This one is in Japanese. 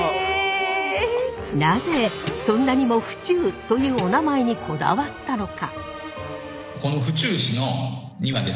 なぜそんなにも府中というお名前にこだわったのか？